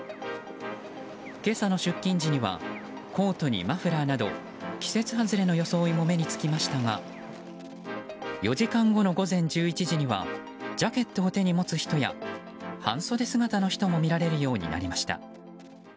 今朝の出勤時にはコートにマフラーなど季節外れの装いも目に付きましたが４時間後の午前１１時にはジャケットを手に持つ人や半袖姿の人も見られるようになりました。